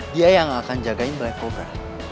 dia yang akan jagain khamlek kobra